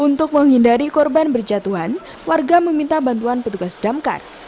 untuk menghindari korban berjatuhan warga meminta bantuan petugas damkar